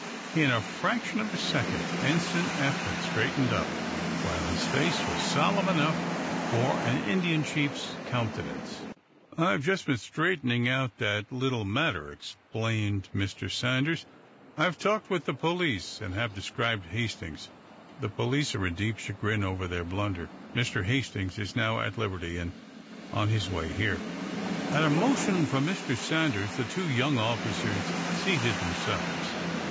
In a fraction of a second Ensign Eph had straightened up, while his face was solemn enough for an Indian chief's countenance. "I have just been straightening out that little matter," explained Mr. Sanders. "I have talked with the police, and have described Hastings. The police are in deep chagrin over their blunder. Mr. Hastings is now at liberty and on his way here." At a motion from Mr. Sanders the two young officers seated themselves.